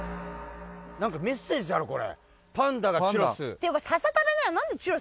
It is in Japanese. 何かメッセージある、これ。